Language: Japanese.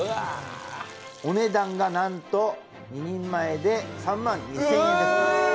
お値段がなんと２人前で３万２０００円。